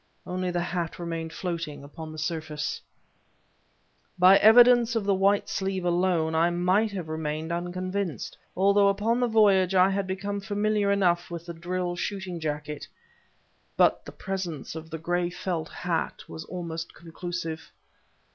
Only the hat remained floating upon the surface. By the evidence of the white sleeve alone I might have remained unconvinced, although upon the voyage I had become familiar enough with the drill shooting jacket, but the presence of the gray felt hat was almost conclusive.